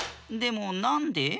でもなんで？